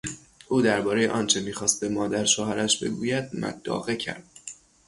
او دربارهی آنچه میخواست به مادر شوهرش بگوید مداقه کرد.